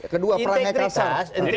kedua peran ekonomi